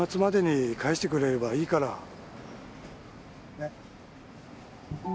ねっ。